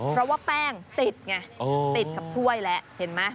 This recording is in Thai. เพราะว่าแป้งติดไงติดกับถ้วยแล้วเห็นไหม